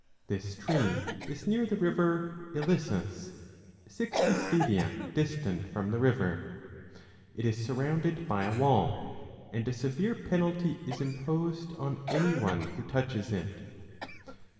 This tree is near the river Ilissus, sixty 4 stadia distant from the river. It is sur rounded by a wall, and a severe penalty is imposed on 20 any one who touches it.